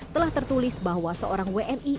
telah tertulis bahwa seorang wni